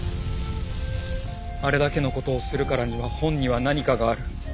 「あれだけのことをするからには本にはなにかがある」。